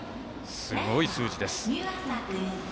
すごい数字です。